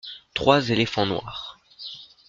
Trois éléphants noirs.